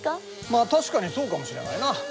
まあ確かにそうかもしれないな。